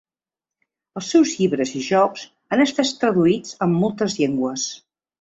Els seus llibres i jocs han estat traduïts en moltes llengües.